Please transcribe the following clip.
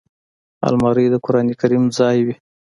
الماري د قران کریم ځای وي